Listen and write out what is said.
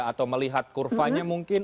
atau melihat kurvanya mungkin